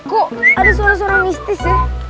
kok ada suara suara mistis ya